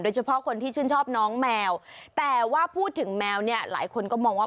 เฉพาะคนที่ชื่นชอบน้องแมวแต่ว่าพูดถึงแมวเนี่ยหลายคนก็มองว่า